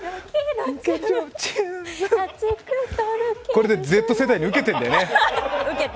これＺ世代にウケてるんだよね？